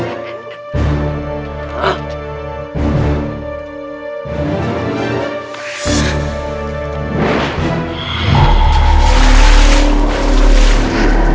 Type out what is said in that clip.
lu kemana kalian